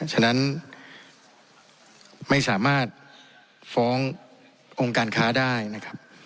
ฉะนั้นไม่สามารถฟ้ององค์การค้าได้นะครับ